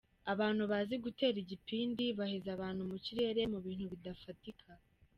Abantu bazi gutera igipindi baheza abantu mu kirere mu bintu bidafatika.